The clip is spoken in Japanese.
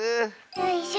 よいしょ。